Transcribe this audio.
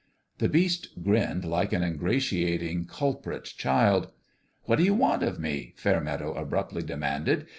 The Beast grinned like an ingratiating culprit child. "What do you want of me?" Fairmeadow abruptly demanded.